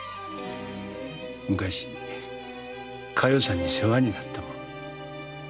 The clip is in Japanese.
昔加代さんに世話になった者。